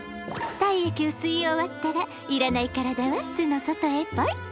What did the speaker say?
体液を吸い終わったら要らない体は巣の外へポイッ。